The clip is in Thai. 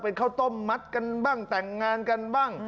เป็นข้าวต้มมัดกันบ้างแต่งงานกันบ้าง